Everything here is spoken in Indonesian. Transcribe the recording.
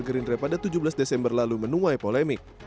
gerindra pada tujuh belas desember lalu menuai polemik